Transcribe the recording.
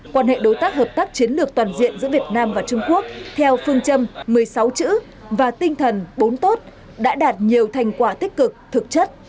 quan hệ đối tác hợp tác chiến lược toàn diện giữa việt nam và trung quốc theo phương châm một mươi sáu chữ và tinh thần bốn tốt đã đạt nhiều thành quả tích cực thực chất